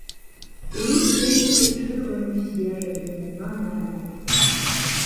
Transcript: У ім пеніцца чырванню свежай нязнаная радасць.